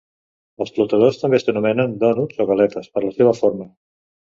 Els flotadors també s'anomenen "dònuts" o "galetes" per la seva forma.